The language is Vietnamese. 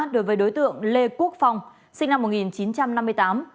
đối với đối tượng lê quốc phong sinh năm một nghìn chín trăm năm mươi tám